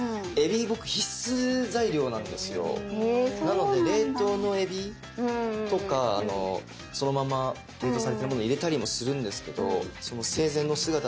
なので冷凍のえびとかそのまま冷凍されてるもの入れたりもするんですけどその生前の姿で。